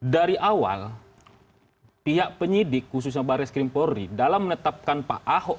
dari awal pihak penyidik khususnya baris krimpori dalam menetapkan pak ahok